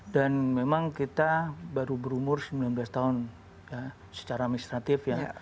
dan memang kita baru berumur sembilan belas tahun secara administratif ya